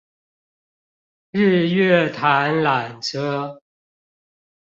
日月潭纜車